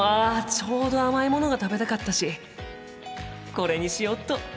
ちょうど甘いものが食べたかったしこれにしよっと。